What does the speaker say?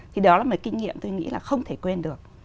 thì đó là một kinh nghiệm tôi nghĩ là không thể quên được